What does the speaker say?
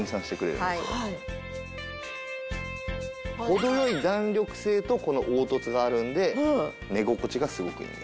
程良い弾力性とこの凹凸があるので寝心地がすごくいいんです。